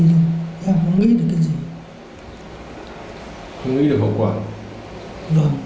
rồi em không nghĩ được cái gì không nghĩ được hậu quả vâng